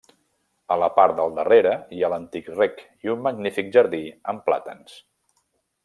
A la part del darrere hi ha l'antic rec i un magnífic jardí amb plàtans.